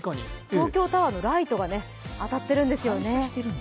東京タワーのライトが当たっているんですよね。